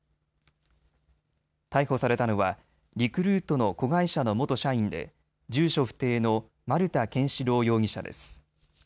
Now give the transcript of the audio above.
逮捕されたのはリクルートの子会社の元社員で住所不定の丸田憲司朗容疑者です。